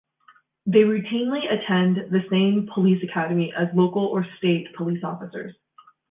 They routinely attend the same police academy as local or state police officers.